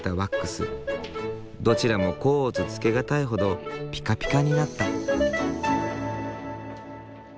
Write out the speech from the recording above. どちらも甲乙つけがたいほどピカピカになった。